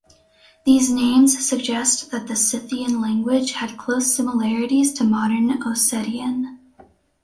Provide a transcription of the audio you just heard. These names suggest that the Scythian language had close similarities to modern Ossetian.